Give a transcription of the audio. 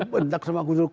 bentak sama gus sholat